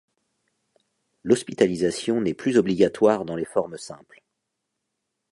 L'hospitalisation n'est plus obligatoire dans les formes simples.